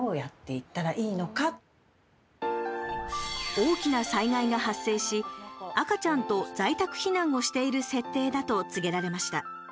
大きな災害が発生し赤ちゃんと在宅避難をしている設定だと告げられました。